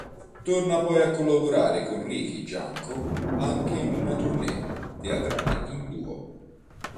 Torna poi a collaborare con Ricky Gianco, anche in una tournée teatrale in duo.